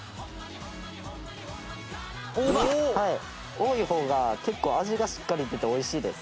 多い方が結構味がしっかり出て美味しいです。